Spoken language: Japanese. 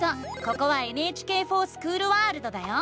ここは「ＮＨＫｆｏｒＳｃｈｏｏｌワールド」だよ！